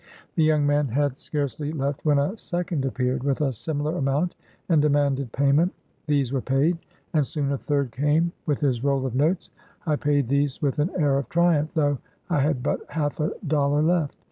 The young man had scarcely left when a second appeared, with a similar amount, and demanded payment. These were paid, and soon a third came, with his roll of notes. I paid these with an air of triumph, though I had but half a dollar left.